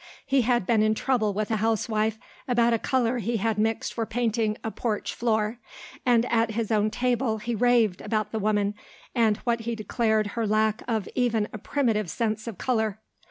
He had been in trouble with a housewife about a colour he had mixed for painting a porch floor and at his own table he raved about the woman and what he declared her lack of even a primitive sense of colour.